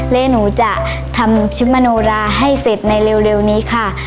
และหนูจะทำชิมโนราให้เสร็จในเร็วนี้ค่ะ